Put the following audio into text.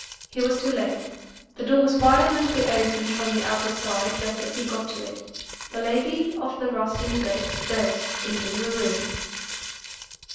He was too late. The door was violently opened from the outer side, just as he got to it. The lady of the rustling dress burst into the room.